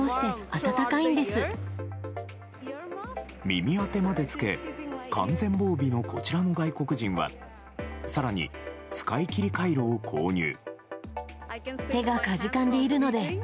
耳当てまで着け完全防備の、こちらの外国人は更に、使い切りカイロを購入。